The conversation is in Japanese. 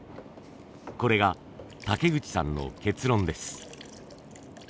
これが竹口さんの結論です。